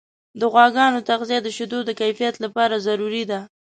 د غواګانو تغذیه د شیدو د کیفیت لپاره ضروري ده.